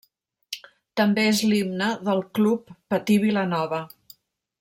També és l'himne del Club Patí Vilanova.